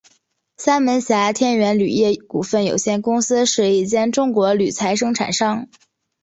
三门峡天元铝业股份有限公司是一间中国铝材生产商。